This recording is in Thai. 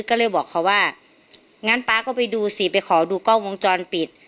ก็เลยบอกเขาว่างั้นป๊าก็ไปดูสิไปขอดูกล้องวงจรปิด